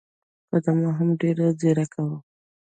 خدمه هم ډېره ځیرکه وه.